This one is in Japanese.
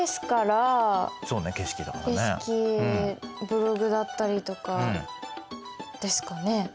ブログだったりとかですかね。